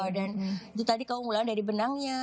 dan itu tadi kamu ngulang dari benangnya